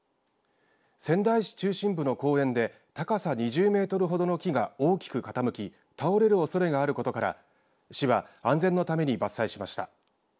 仙台市中心部の公園で高さ２０メートルほどの木が大きく傾き倒れるおそれがあることから市は安全のために伐採しました。